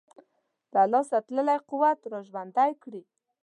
له لاسه تللی قوت را ژوندی کړي.